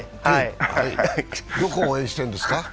どこを応援してるんですか？